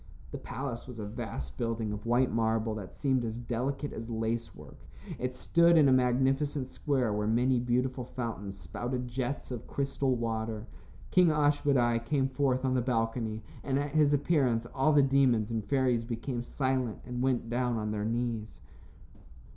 The palace was a vast building of white marble that seemed as delicate as lace work. It stood in a magnificent square where many beautiful fountains spouted jets of crystal water. King Ashmedai came forth on the balcony, and at his appearance all the demons and fairies became silent and went down on their knees.